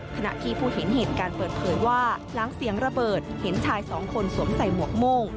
ขณะที่ผู้เห็นเหตุการณ์เปิดเผยว่าหลังเสียงระเบิดเห็นชายสองคนสวมใส่หมวกโม่ง